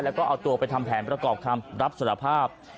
แล้วก็เอาตัวไปทำแผนประกอบคำรับสารภาพ